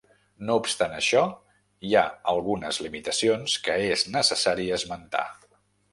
No obstant això, hi ha algunes limitacions que és necessari esmentar.